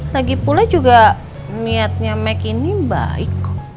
lagipula juga niatnya mike ini baik kok